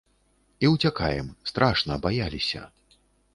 І ўцякаем, страшна, баяліся.